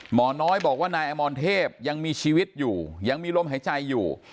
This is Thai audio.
หมอน้อยบอกว่านายอมรเทพยังมีชีวิตอยู่ยังมีลมหายใจอยู่